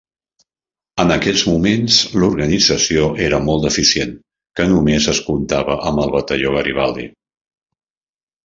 En aquests moments, l'organització era molt deficient, car només es comptava amb el Batalló Garibaldi.